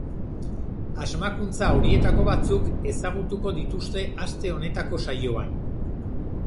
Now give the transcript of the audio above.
Asmakuntza horietako batzuk ezagutuko dituzte aste honetako saioan.